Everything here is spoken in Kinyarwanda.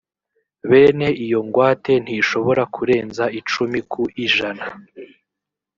bene iyo ngwate ntishobora kurenza icumi ku ijana